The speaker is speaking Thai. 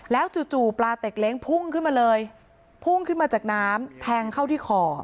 จู่ปลาเต็กเล้งพุ่งขึ้นมาเลยพุ่งขึ้นมาจากน้ำแทงเข้าที่คอ